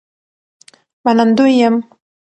منندوی یم